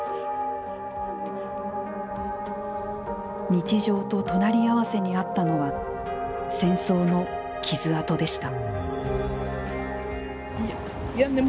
日常と隣り合わせにあったのは戦争の傷痕でした。